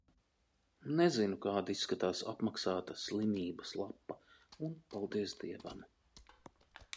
Nezinu, kāda izskatās apmaksāta "slimības lapa". Un, paldies Dievam.